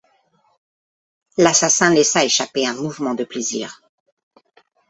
L’assassin laissa échapper un mouvement de plaisir.